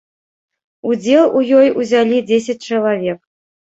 Удзел у ёй узялі дзесяць чалавек.